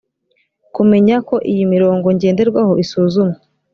kumenya ko iyi mirongo ngenderwaho isuzumwa